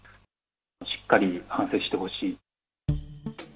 しっかり反省してほしい。